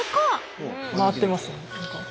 回ってますね。